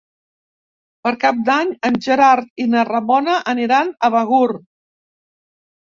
Per Cap d'Any en Gerard i na Ramona aniran a Begur.